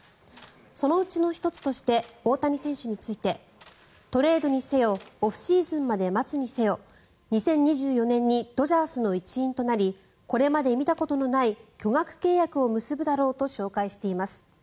そのうちの１つとして大谷選手についてトレードにせよオフシーズンまで待つにせよ２０２４年にドジャースの一員となりこれまで見たことない巨額契約を結ぶだろうと紹介しています。